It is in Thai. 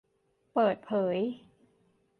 เปิดเผย